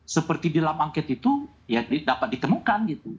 seperti di dalam angket itu ya dapat ditemukan